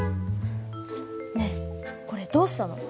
ねえこれどうしたの？